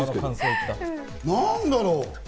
何だろう？